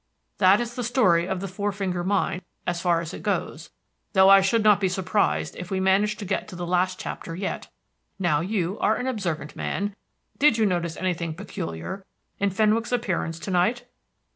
That is the story of the Four Finger Mine so far as it goes, though I should not be surprised if we manage to get to the last chapter yet. Now, you are an observant man did you notice anything peculiar in Fenwick's appearance to night?"